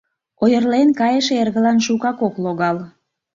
Ойырлен кайыше эргылан шукак ок логал.